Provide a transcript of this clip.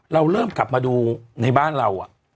เราเริ่มกลับมาดูในบ้านเรา